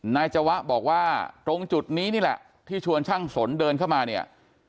จวะบอกว่าตรงจุดนี้นี่แหละที่ชวนช่างสนเดินเข้ามาเนี่ย